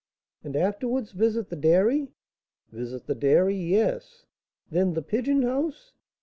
"And afterwards visit the dairy?" "Visit the dairy! Yes." "Then the pigeon house?"